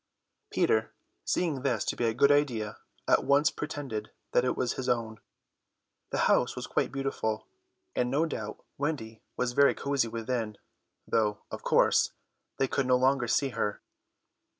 Peter, seeing this to be a good idea, at once pretended that it was his own. The house was quite beautiful, and no doubt Wendy was very cosy within, though, of course, they could no longer see her.